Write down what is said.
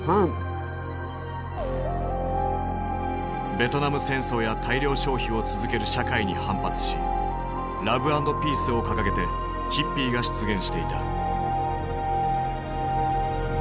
ベトナム戦争や大量消費を続ける社会に反発し「ラブ＆ピース」を掲げてヒッピーが出現していた。